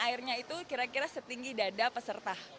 yang pentingnya itu kira kira setinggi dada peserta